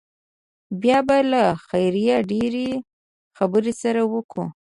بيا به له خيره ډېرې خبرې سره وکو.